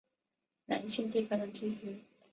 南信地方的地区。